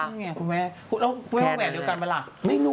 แล้วคุณแม่ต้องแหวนเดียวกันไหมล่ะ